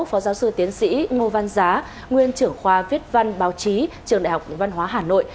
phó giáo sư tiến sĩ ngô văn giá nguyên trưởng khoa viết văn báo chí trường đại học văn hóa hà nội